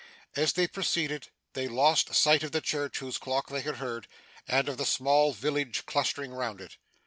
As they proceeded, they lost sight of the church whose clock they had heard, and of the small village clustering round it.